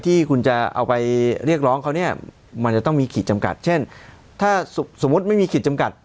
ที่คุณจะเอาไปเรียกร้องเขาเนี่ยมันจะต้องมีขีดจำกัดเช่นถ้าสมมุติไม่มีขีดจำกัด